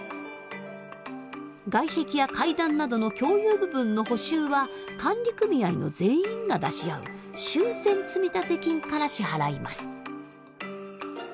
外壁や階段などの共有部分の補修は管理組合の全員が出し合う「修繕積立金」から支払います。